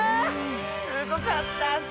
すごかったッス！